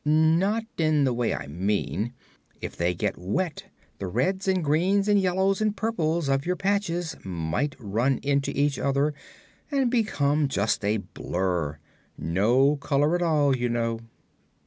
"Not in the way I mean. If they get wet, the reds and greens and yellows and purples of your patches might run into each other and become just a blur no color at all, you know."